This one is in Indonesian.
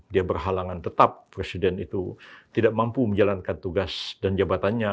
dia berhalangan tetap presiden itu tidak mampu menjalankan tugas dan jabatannya